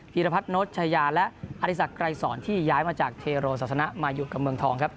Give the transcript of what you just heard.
ีรพัฒนชายาและอธิสักไกรสอนที่ย้ายมาจากเทโรศาสนามาอยู่กับเมืองทองครับ